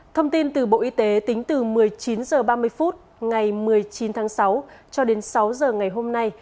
thông tin từ bộ y tế tính từ một mươi chín h ba mươi phút ngày một mươi chín tháng sáu cho đến sáu h ngày hôm nay